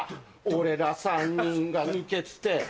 俺ら３人が抜けて